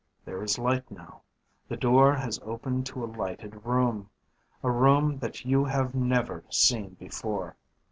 There is light now. The door has opened to a lighted room ... a room that you have never seen before.